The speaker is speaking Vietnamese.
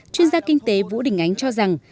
chuyên gia kinh tế vũ đình ánh cho rằng